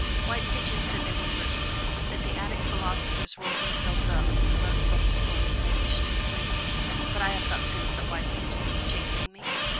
White Pigeon said they were bric a brac that the Attic Philosophers rolled themselves up in the rugs on the floor when they wished to sleep; but I have thought since that White Pigeon was chaffing me.